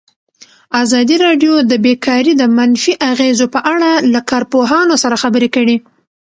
ازادي راډیو د بیکاري د منفي اغېزو په اړه له کارپوهانو سره خبرې کړي.